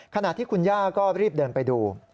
ขณะที่คุณย่าก็รีบเดินไปดู